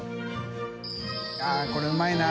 ◆舛これうまいな。